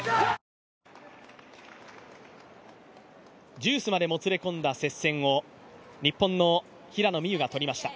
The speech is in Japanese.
デュースまでもつれ込んだ接戦を日本の平野美宇が取りました。